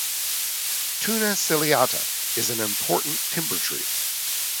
"Toona ciliata" is an important timber tree.